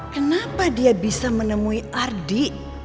kenapa dia bisa menemui ardi